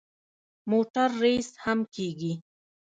موټر ریس هم کېږي.